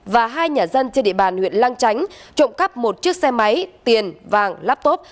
và hai nhà dân trên địa bàn huyện lang chánh trộm cắp một chiếc xe máy tiền vàng laptop